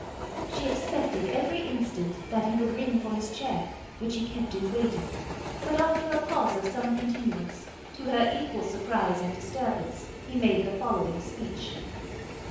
She expected every instant that he would ring for his chair, which he kept in waiting; but, after a pause of some continuance, to her equal surprise and disturbance, he made the following speech.